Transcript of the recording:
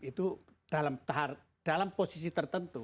itu dalam posisi tertentu